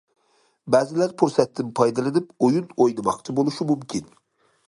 بەزىلەر پۇرسەتتىن پايدىلىنىپ ئويۇن ئوينىماقچى بولۇشى مۇمكىن.